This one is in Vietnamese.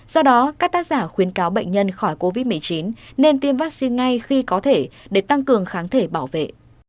do đó các tác giả khuyến cáo bệnh nhân khỏi covid một mươi chín nên tiêm vaccine ngay khi có thể để tăng cường kháng thể bảo vệ